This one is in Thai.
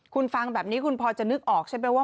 คุณฟังแบบนี้คุณพอจะนึกออกใช่ไหมว่า